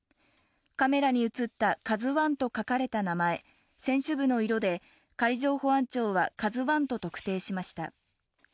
カメラに映った「ＫＡＺＵⅠ」と書かれた名前、船首部の色で海上保安庁は「ＫＡＺＵⅠ」と特定しました。